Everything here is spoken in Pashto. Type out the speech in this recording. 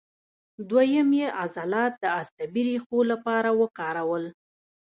دوهیم یې عضلات د عصبي ریښو لپاره وکارول.